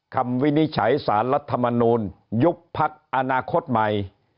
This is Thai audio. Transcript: คำวินิจฉัยสารรัฐมนูลยุคภักดิ์อนาคตใหม่